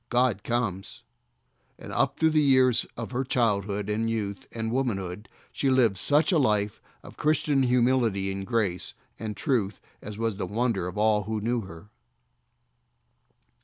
God comes!" SOUL WINNER AND CHILDREN. 135 And up through the years of her child hood and youth and womanhood she lived such a life of Christian humility and grace and truth as was the wonder of all who knew her.